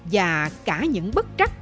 và cả những bất trắc